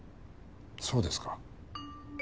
そうですか。